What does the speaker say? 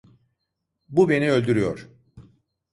Bu beni öldürüyor.